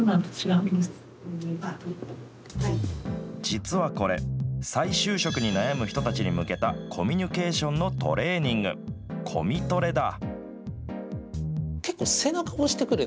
実はこれ、再就職に悩む人たちに向けたコミュニケーションのトレーニング、コミトレだ。